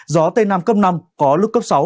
gió tây nam cấp năm có lúc cấp sáu